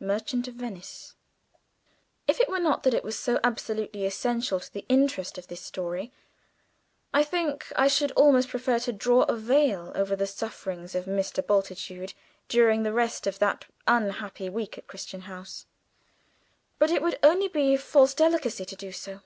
Merchant of Venice. If it were not that it was so absolutely essential to the interest of this story, I think I should almost prefer to draw a veil over the sufferings of Mr. Bultitude during the rest of that unhappy week at Crichton House; but it would only be false delicacy to do so.